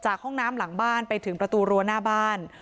ห้องน้ำหลังบ้านไปถึงประตูรั้วหน้าบ้าน